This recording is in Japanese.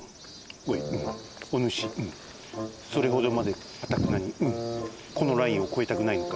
おいおぬしそれほどまでかたくなにこのラインをこえたくないのか？